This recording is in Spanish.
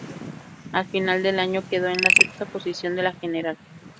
Al final del año quedó en la sexta posición de la general.